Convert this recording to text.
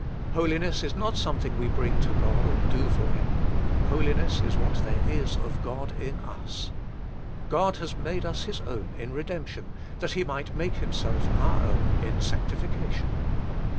Holiness is not something we bring to God or do for Him. Holiness is what there is of God in us. God has made us His own in redemption, that He might make Himself our own in sanctification.